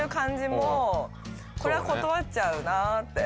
これは断っちゃうなって。